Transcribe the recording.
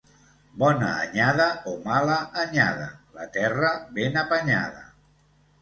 Bona anyada o mala anyada, la terra ben apanyada.